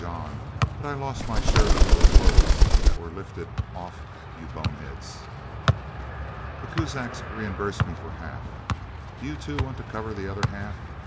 John. But I lost my shirt on those loads that were lifted off you boneheads. The Kuzaks reimbursed me for half. Do you two want to cover the other half?